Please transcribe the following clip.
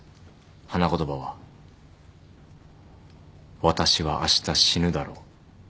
花言葉は「私はあした死ぬだろう」